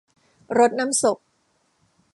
รดน้ำศพ